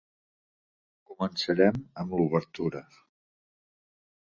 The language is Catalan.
Començarem amb l'obertura.